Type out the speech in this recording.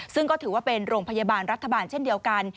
ซึ่งก็ถือว่าเป็นโรงพยาบาลรัฐบาลเช่นเดียวกัน